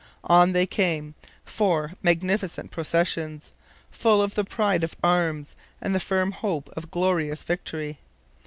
On they came, four magnificent processions, full of the pride of arms and the firm hope of glorious victory.